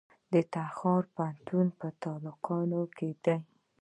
د تخار پوهنتون په تالقان کې دی